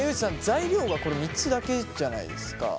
材料は３つだけじゃないですか。